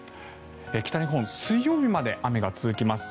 北日本、水曜日まで雨が続きます。